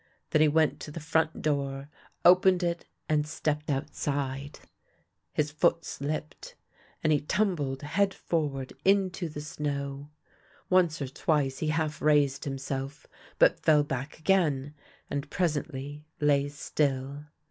Then he went to the front door, opened it, and stepped outside. His foot slipped, and he tumbled head forward into the snow. Once or twice he half 114 THE LANE THAT HAD NO TURNING raised himself, but fell back again, and presently lay still.